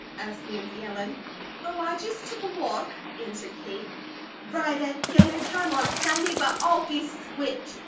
asked Nancy Ellen. "Oh, I just took a walk!" answered Kate. "Right at dinner time on Sunday? Well, I'll be switched!"